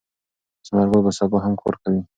ثمر ګل به سبا هم کار کوي.